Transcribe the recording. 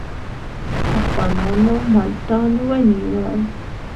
افغانانو ملتان ونیوی.